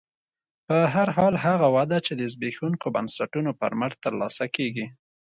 په هر حال هغه وده چې د زبېښونکو بنسټونو پر مټ ترلاسه کېږي